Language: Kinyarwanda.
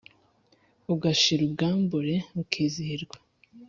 Ugashira ubwambure ukizihirwa